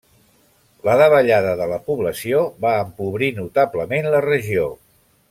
La davallada de la població va empobrir notablement la regió.